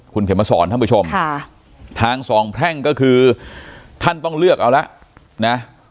คุณเข็มมาสอนท่านผู้ชมค่ะทางสองแพร่งก็คือท่านต้องเลือกเอาแล้วนะ